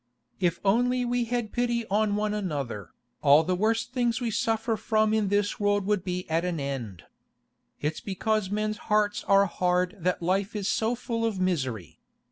'If only we had pity on one another, all the worst things we suffer from in this world would be at an end. It's because men's hearts are hard that life is so full of misery.